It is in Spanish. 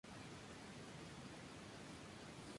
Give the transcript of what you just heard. Es originario del Sudeste de Asia.